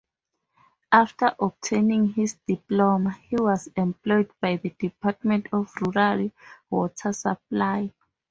After obtaining his diploma he was employed by the Department of Rural Water Supply.